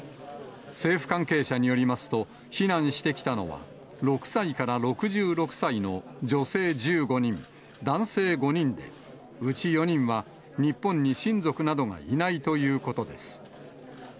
政府関係者によりますと、避難してきたのは、６歳から６６歳の女性１５人、男性５人で、うち４人は日本に親族などがいないということです。